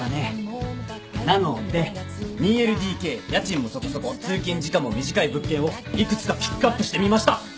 なので２ＬＤＫ家賃もそこそこ通勤時間も短い物件を幾つかピックアップしてみました。